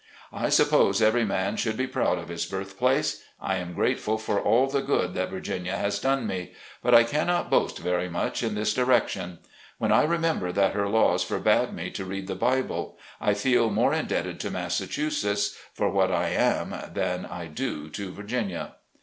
I suppose every man should be proud of his birth place. I am grateful for all the good that Virginia has done me ; but I cannot boast very much in this direction, when I remember that her laws forbade me to read IN A VIRGINIA PULPIT. 75 the Bible. I feel more indebted to Massachusetts for what I am than I do to Virginia.